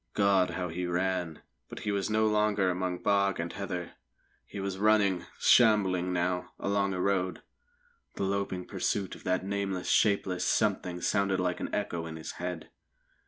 God, how he ran! But he was no longer among bog and heather. He was running shambling now along a road. The loping pursuit of that nameless, shapeless Something sounded like an echo in his head.